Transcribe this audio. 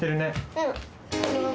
うん。